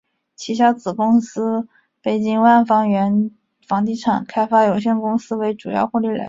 旗下子公司北京万方源房地产开发有限公司为主要获利来源。